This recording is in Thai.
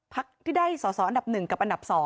พัทพี่ได้อันดับ๑กับอันดับ๒